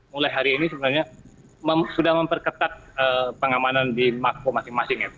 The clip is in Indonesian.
mulai hari ini sebenarnya sudah memperketat pengamanan di mako masing masing ya